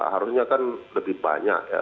harusnya kan lebih banyak ya